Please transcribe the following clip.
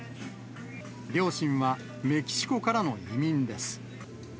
両親はメキシコからの移民です。